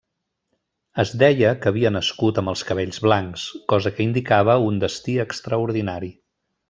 Es deia que havia nascut amb els cabells blancs, cosa que indicava un destí extraordinari.